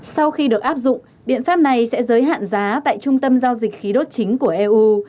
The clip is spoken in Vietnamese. sau khi được áp dụng biện pháp này sẽ giới hạn giá tại trung tâm giao dịch khí đốt chính của eu